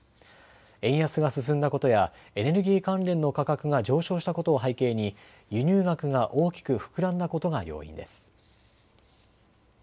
円安が進んだことやエネルギー関連の価格が上昇したことを背景に輸入額が大きく膨らんだことが要因です。